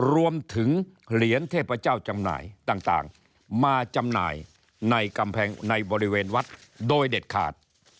รวมถึงเหรียญเทพเจ้าจำหน่ายต่างมาจำหน่ายในกำแพงในบริเวณวัดโดยเด็ดขาด